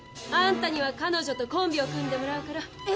あんたには彼女とコンビを組んでもらうから。